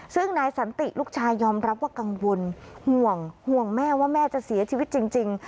ซึ่งนายสันติลูกชายยอมรับว่ากังวลห่วงห่วงแม่ว่าแม่จะเสียชีวิตจริง